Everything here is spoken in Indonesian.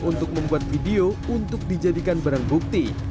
untuk membuat video untuk dijadikan barang bukti